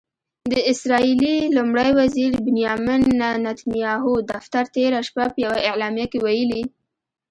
د اسرائیلي لومړي وزیر بنیامن نتنیاهو دفتر تېره شپه په یوه اعلامیه کې ویلي